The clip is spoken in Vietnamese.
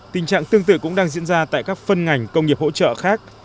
tình trạng tương tự cũng đang diễn ra tại các phân ngành công nghiệp hỗ trợ khác